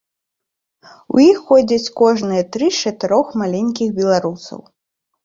У іх ходзяць кожныя тры з чатырох маленькіх беларусаў.